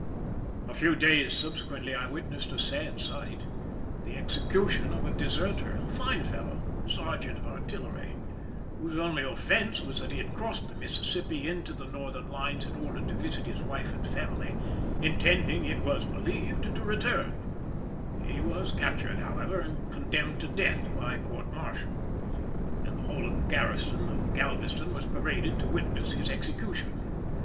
A few days subsequently I witnessed a sad sight—the execution of a deserter, a fine fellow, sergeant of artillery, whose only offence was that he had crossed the Mississippi into the Northern lines in order to visit his wife and family, intending, it was believed, to return; he was captured, however, and condemned to death by court martial, and the whole of the garrison of Galveston was paraded to witness his execution.